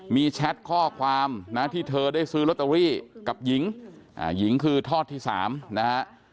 มีแชทข้อความนะที่เธอได้ซื้อลอตเตอรี่กับหญิงหญิงคือทอดที่๓นะฮะ